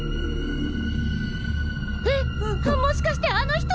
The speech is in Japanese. えっもしかしてあの人！